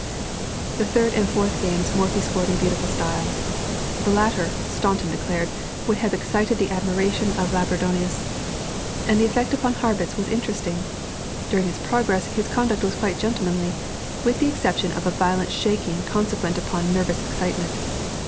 The third and fourth games Morphy scored in beautiful style. The latter, Staunton declared, "would have excited the admiration of Labourdonnais," and the effect upon Harrwitz was interesting. During its progress, his conduct was quite gentlemanly, with the exception of a violent shaking consequent upon nervous excitement.